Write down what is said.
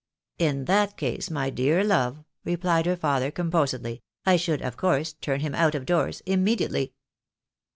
" In that case, my dear love," replied her father, composedly, " I should, of course, turn him out of doors immediately."